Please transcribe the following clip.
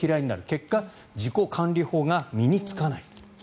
結果、自己管理法が身につかない。